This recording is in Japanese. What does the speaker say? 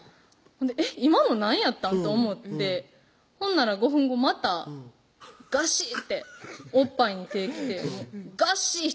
えっ今の何やったん？と思ってほんなら５分後またガシッておっぱいに手来てガシーッ